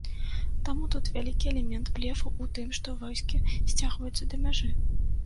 Таму тут вялікі элемент блефу ў тым, што войскі сцягваюцца да мяжы.